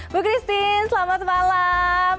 bu christine selamat malam